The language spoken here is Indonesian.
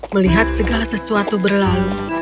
melihat segala sesuatu berlalu